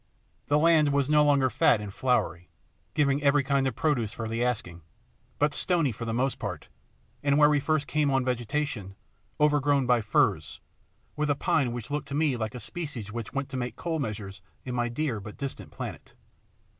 The land was no longer fat and flowery, giving every kind of produce for the asking, but stony for the most part, and, where we first came on vegetation, overgrown by firs, with a pine which looked to me like a species which went to make the coal measures in my dear but distant planet.